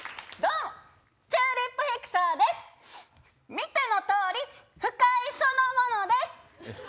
見ての通り不快そのものです。